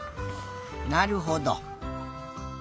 なるほど。